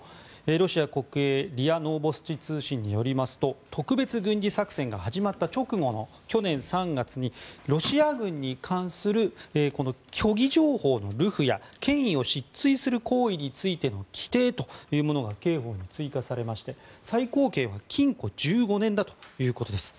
ロシア国営ＲＩＡノーボスチ通信によると特別軍事作戦が始まった直後の去年３月に、ロシア軍に関する虚偽情報の流布や権威を失墜する行為についての規定というものが刑法に追加されまして、最高刑は禁錮１５年だということです。